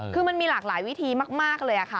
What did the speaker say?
คือมันมีหลากหลายวิธีมากเลยค่ะ